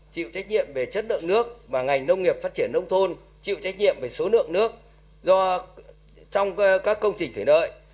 chịu trách nhiệm về chất lượng nước mà ngành nông nghiệp phát triển nông thôn chịu trách nhiệm về số lượng nước trong các công trình thủy lợi